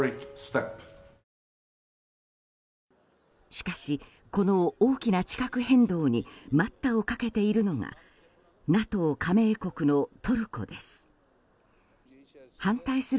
しかし、この大きな地殻変動に待ったをかけているのがＮＡＴＯ加盟国のトルコです。